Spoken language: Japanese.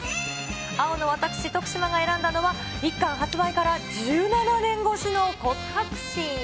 青の私、徳島が選んだのは、１巻発売から１７年越しの告白シーン。